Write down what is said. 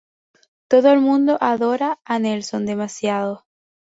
Todo el mundo adora a Nelson demasiado.